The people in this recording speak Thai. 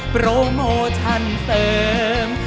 โปรโมชั่นเสริม